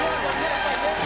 やっぱりね。